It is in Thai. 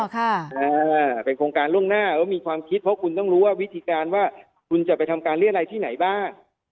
ค่ะอ่าเป็นโครงการล่วงหน้าแล้วมีความคิดเพราะคุณต้องรู้ว่าวิธีการว่าคุณจะไปทำการเรียรัยที่ไหนบ้าง